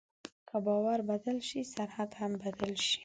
که باور بدل شي، سرحد هم بدل شي.